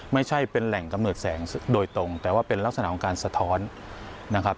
ไม่ใช่เป็นแหล่งกำเนิดแสงโดยตรงแต่ว่าเป็นลักษณะของการสะท้อนนะครับ